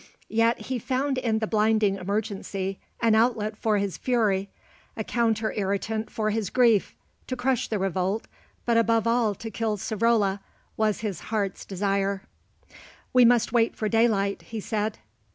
Yet he found in the blinding emergency an outlet for his fury, a counter irritant for his grief; to crush the revolt, but above all to kill Savrola, was his heart's desire. "We must wait for daylight," he said.